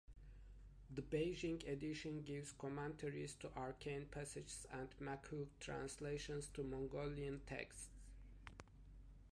The Beijing edition gives commentaries to arcane passages and Manchu translations to Mongolian texts.